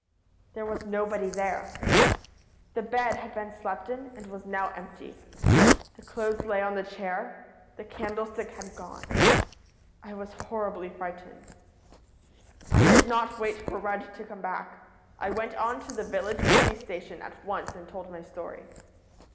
There was nobody there. The bed had been slept in, and was now empty. The clothes lay on the chair. The candlestick had gone. I was horribly frightened. "I did not wait for Rudd to come back. I went on to the village police station at once and told my story.